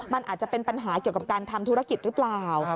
มันอาจจะเป็นปัญหาเกี่ยวกับการทำธุรกิจหรือเปล่า